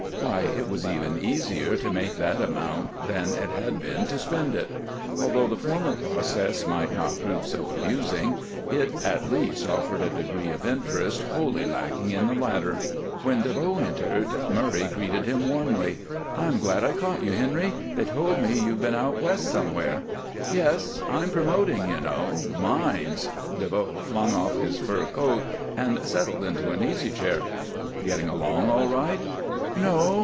Why, it was even easier to make that amount than it had been to spend it! Although the former process might not prove so amusing, it at least offered a degree of interest wholly lacking in the latter. When DeVoe entered, Murray greeted him warmly. "I'm glad I caught you, Henry. They told me you've been out West somewhere." "Yes, I'm promoting, you know mines!" DeVoe flung off his fur coat and settled into an easy chair. "Getting along all right?" "No.